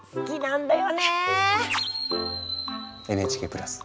ＮＨＫプラス